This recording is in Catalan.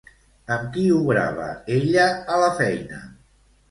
Amb qui obrava ella a la feina?